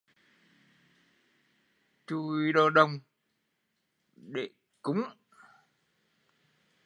Chùi đồ đồng để cúng